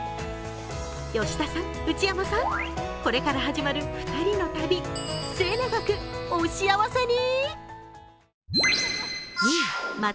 吉田さん、内山さん、これから始まる２人の旅、末永く、お幸せに！